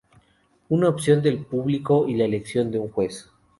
Una opción del público y la elección de un juez.